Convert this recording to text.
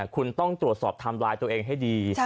คุณต้องตรวจสอบไทม์ไลน์ตัวเองให้ดี